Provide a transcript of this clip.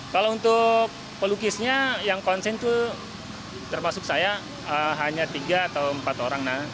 kalau untuk pelukisnya yang konsen itu termasuk saya hanya tiga atau empat orang